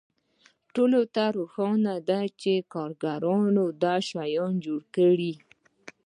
ټولو ته روښانه ده چې کارګرانو دا شیان جوړ کړي